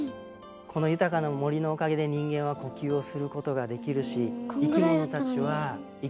この豊かな森のおかげで人間は呼吸をすることができるし生き物たちは生きていくことがこんぐらいだったのに。